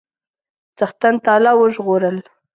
چښتن تعالی وژغورل.